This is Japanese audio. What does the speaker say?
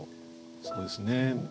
そうですね。